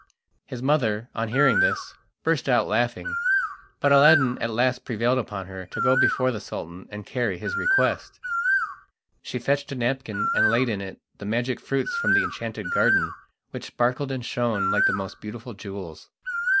His mother, on hearing this, burst out laughing, but Aladdin at last prevailed upon her to go before the Sultan and carry his request. She fetched a napkin and laid in it the magic fruits from the enchanted garden, which sparkled and shone like the most beautiful jewels.